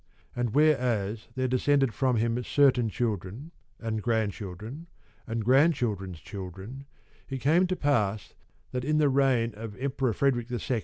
And whereas there descended from him certain children, and grandchildren, and grandchild ren's children, it came to pass that in the reign of the Emperor Frederick II.